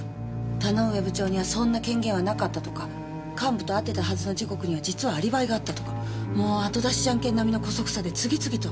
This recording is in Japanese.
田ノ上部長にはそんな権限はなかったとか幹部と会ってたはずの時刻には実はアリバイがあったとかもう後だしジャンケン並みの姑息さで次々と。